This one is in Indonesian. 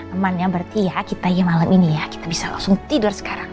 emangnya berarti ya kita malem ini ya kita bisa langsung tidur sekarang